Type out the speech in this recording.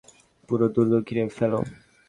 পুরো দূর্গ ঘিরে ফেলো!